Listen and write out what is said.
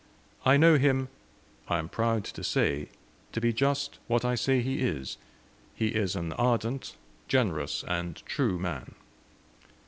"I know him I am proud to say to be just what I say he is. He is an ardent, generous, and true man."